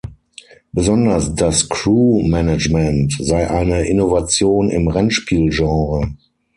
Besonders das Crew-Management sei eine Innovation im Rennspiel-Genre.